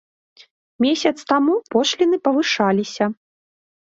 Месяц таму пошліны павышаліся.